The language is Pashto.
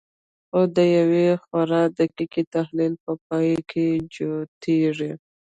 خو د یوه خورا دقیق تحلیل په پایله کې جوتېږي